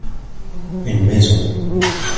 une maison.